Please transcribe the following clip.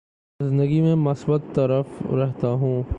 زندگی میں مثبت طرف رہتا ہوں